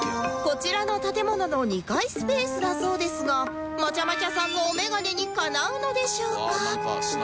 こちらの建物の２階スペースだそうですがまちゃまちゃさんのお眼鏡にかなうのでしょうか？